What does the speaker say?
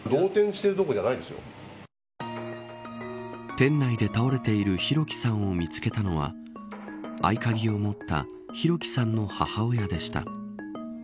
店内で倒れている弘輝さんを見つけたのは合鍵を持った弘輝さんの母親でした。